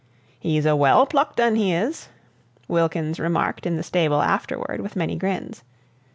"He's a well plucked un, he is," Wilkins remarked in the stable afterward with many grins.